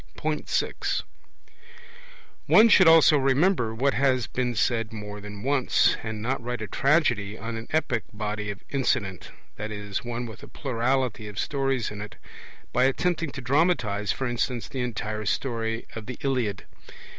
(6) One should also remember what has been said more than once, and not write a tragedy on an epic body of incident (i.e. one with a plurality of stories in it), by attempting to dramatize, for instance, the entire story of the Iliad.